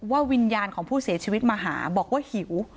วิญญาณของผู้เสียชีวิตมาหาบอกว่าหิว